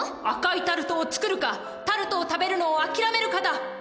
赤いタルトを作るかタルトを食べるのを諦めるかだ。